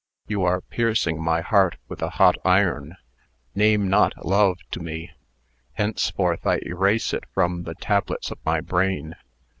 You are piercing my heart with a hot iron. Name not love to me. Henceforth I erase it from the tablets of my brain.